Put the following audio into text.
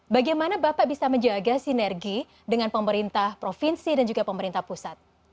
bagaimana bapak bisa menjaga sinergi dengan pemerintah provinsi dan juga pemerintah pusat